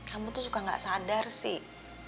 kamu tuh suka nggak sadar sih